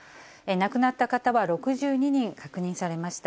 亡くなった方は６２人確認されました。